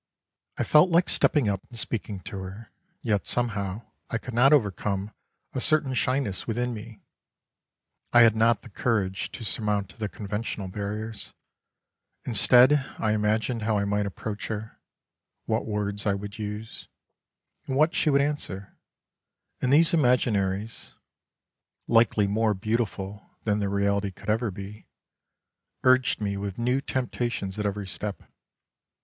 I felt like stepping up and speaking to her, yet somehow I could not overcome a certain shyness within me, I had not the courage to surmount the conventional barriers ; instead I imagined how I might approach her, what words I would use and what she would answer, and these imagin eries — likely more beautiful than the reality could ever be — urged me with new temptations at every step.